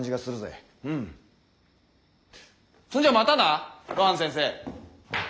そんじゃまたな露伴先生。